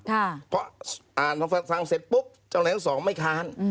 ค่ะเพราะอ่านทั้งสองฝั่งเสร็จปุ๊บจำหน่อยทั้งสองไม่ค้านอืม